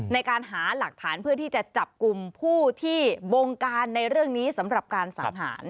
ในการหาหลักฐานเพื่อที่จะจับกลุ่มผู้ที่บงการในเรื่องนี้สำหรับการสังหาร